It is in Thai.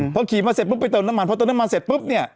พอขี่มาเสร็จปุ๊บไปเติมน้ำมันพอเติมน้ำมันเสร็จปุ๊บเนี่ย